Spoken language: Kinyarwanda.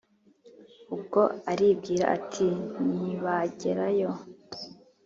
Ubwo aribwira ati: "Ntibagerayo